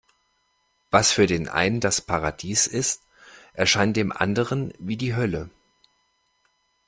Was für den einen das Paradies ist, erscheint dem anderem wie die Hölle.